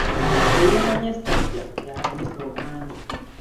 Eyeemanyi essajja, y'asomesa omwami.